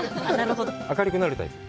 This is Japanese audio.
明るくなるタイプ？